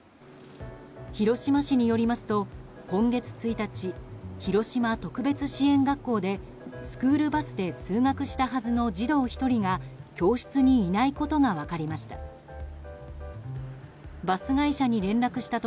広島市によりますと今月１日、広島特別支援学校でスクールバスで通学したはずの児童１人が教室にいないことが分かりました。